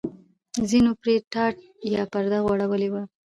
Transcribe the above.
ځینو پرې ټاټ یا پرده غوړولې وه.